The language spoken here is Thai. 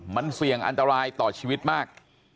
มันเสี่ยงอันตรายต่อชีวิตมาก